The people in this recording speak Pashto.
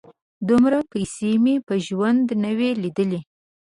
_دومره پيسې مې په ژوند نه وې لېدلې.